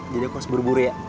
jadi aku harus buru buru ya